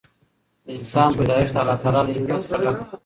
د انسان پیدایښت د الله تعالی له حکمت څخه ډک دی.